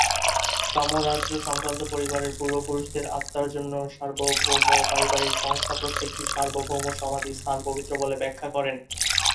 সমরাজ্য-সংক্রান্ত পরিবারের পূর্বপুরুষদের আত্মার জন্য সার্বভৌম পারিবারিক সংস্থা প্রত্যেকটি সার্বভৌম সমাধি স্থান পবিত্র বলে ব্যাখ্যা করেন।